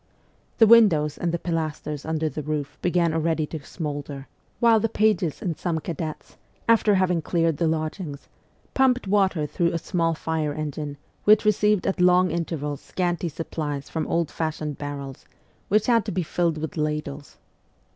The windows and the pilasters under the roof began already to smoulder, while the 188 MEMOIRS OF A REVOLUTIONIST pages and some cadets, after having cleared the lodgings, pumped water through a small fire engine, which received at long intervals scanty supplies from old fashioned barrels, which had to be filled with ladles.